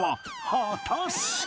果たして